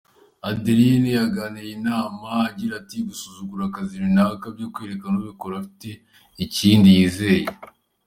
Adeline yabagiriye inama agira ati “ Gusuzugura akazi runaka byo kereka ubikora afite ikindi yizeye.